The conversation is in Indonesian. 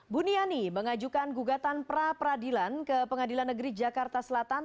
buniani mengajukan gugatan pra peradilan ke pengadilan negeri jakarta selatan